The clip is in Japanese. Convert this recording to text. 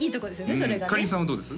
それがねかりんさんはどうです？